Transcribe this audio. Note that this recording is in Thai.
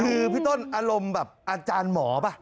คือพี่ต้นอารมณ์แบบอาจารย์หมอป่ะ